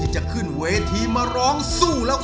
จะขึ้นเวทีมาร้องสู้แล้ว